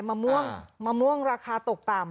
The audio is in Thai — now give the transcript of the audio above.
มะม่วงมะม่วงราคาตกต่ำ